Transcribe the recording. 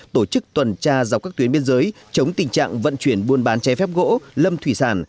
tổ chức tuần tra dọc các tuyến biên giới chống tình trạng vận chuyển buôn bán chế phép gỗ lâm thủy sản